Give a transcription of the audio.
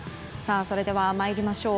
それでは、参りましょう。